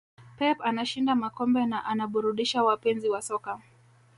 pep anashinda makombe na anaburudisha wapenzi wa soka